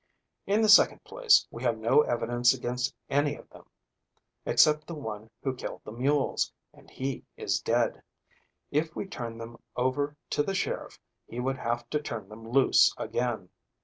In the second place, we have no evidence against any of them, except the one who killed the mules, and he is dead. If we turned them over to the sheriff he would have to turn them loose again."